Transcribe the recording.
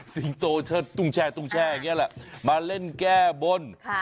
สิงโตตุ้งแช่ตุ้งแช่อย่างเงี้ยแหละมาเล่นแก้บน